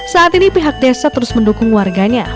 saat ini pihak desa terus mendukung warganya